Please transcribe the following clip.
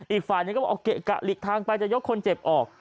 อีกฝ่ายหนึ่งก็บอกเกะกะหลีกทางไปจะยกคนเจ็บออก